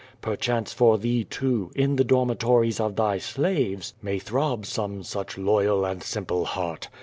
Perchance for thee too, in the dormitories of thy slaves, may throb some such loyal and simple heart.